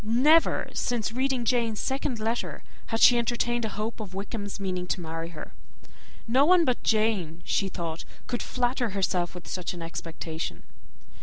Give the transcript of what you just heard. Never since reading Jane's second letter had she entertained a hope of Wickham's meaning to marry her. No one but Jane, she thought, could flatter herself with such an expectation.